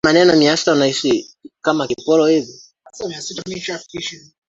ruaha ni mto mkubwa sana nchini tanzania